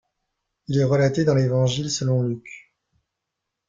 Il est relaté dans l'Évangile selon Luc.